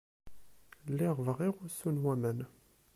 Lliɣ bɣiɣ usu n waman.